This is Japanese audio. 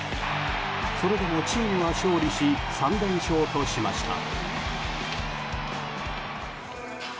それでもチームは勝利し３連勝としました。